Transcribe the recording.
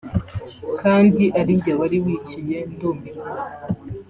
kandi ari njye wari wishyuye ndumirwa